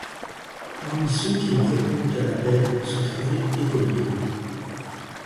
Parmi ceux qui ont répondu à l'appel se trouvaient écoliers.